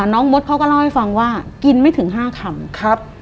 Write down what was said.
น้องมดเขาก็เล่าให้ฟังว่ากินไม่ถึง๕คำ